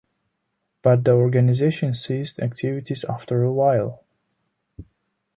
But the organisation ceased activities after awhile.